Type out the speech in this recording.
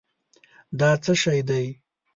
دا څه شی دی؟